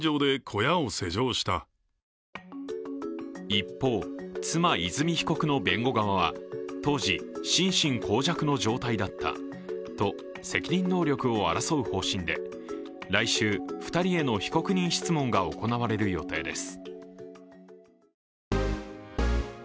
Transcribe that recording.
一方、妻・和泉被告の弁護側は当時、心神耗弱の状態だったと責任能力を争う方針で、来週、２人への被告人質問が行われる予定です。